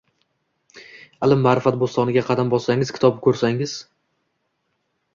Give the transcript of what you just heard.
ilm-maʼrifat bo‘stoniga qadam bossangiz, kitob ko‘rsangiz